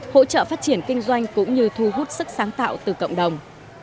hỗ trợ phát triển kinh doanh cũng như thu hút sức sáng tạo từ cộng đồng